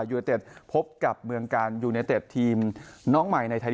ยูเนเต็ดพบกับเมืองกาลยูเนเต็ดทีมน้องใหม่ในไทย